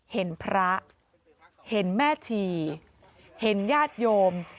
เห็นพระเห็นแม่ชีเห็นญาติโยม